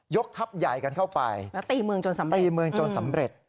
ยกทัพใหญ่กันเข้าไปแล้วตีเมืองจนสำเร็จ